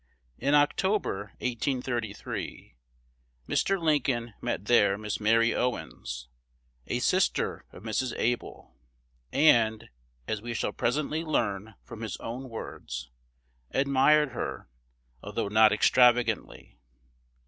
In October, 1833, Mr. Lincoln met there Miss Mary Owens, a sister of Mrs. Able, and, as we shall presently learn from his own words, admired her, although not extravagantly.